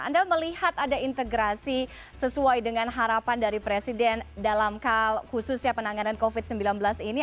anda melihat ada integrasi sesuai dengan harapan dari presiden dalam hal khususnya penanganan covid sembilan belas ini